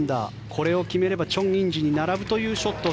これを決めればチョン・インジに並ぶというショット。